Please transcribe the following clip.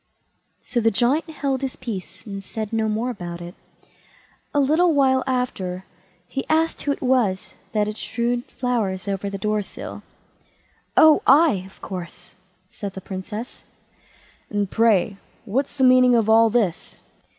So the Giant held his peace, and said no more about it. A little while after, he asked who it was that had strewed flowers about the door sill. "Oh, I, of course", said the Princess. "And, pray, what's the meaning of all this?"